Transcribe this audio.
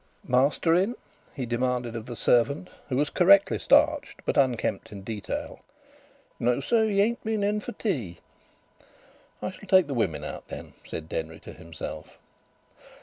"Master in?" he demanded of the servant, who was correctly starched, but unkempt in detail. "No, sir. He ain't been in for tea." ("I shall take the women out then," said Denry to himself.)